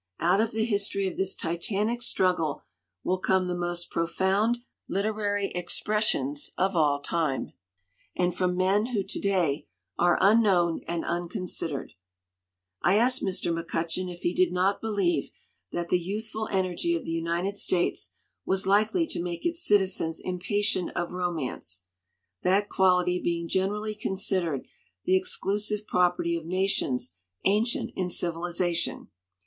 Out of the history of this titanic struggle will come the most profound literary expressions of all time, and from men who to day are un known and unconsidered." I asked Mr. McCutcheon if he did not believe that the youthful energy of the United States was likely to make its citizens impatient of ro mance, that quality being generally considered the exclusive property of nations ancient in civili zation.